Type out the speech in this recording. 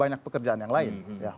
banyak pekerjaan yang lain